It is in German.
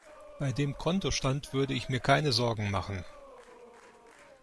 Bei dem Kontostand würde ich mir keine Sorgen machen.